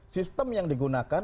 sistem yang digunakan